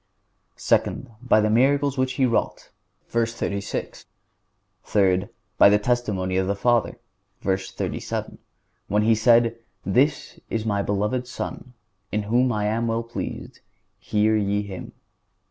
Second—By the miracles which He wrought (v. 36). Third—By the testimony of the Father (v. 37), when He said: "This is my beloved Son, in whom I am well pleased; hear ye Him."